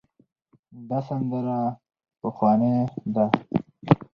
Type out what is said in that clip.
دا سندره پخوانۍ ده.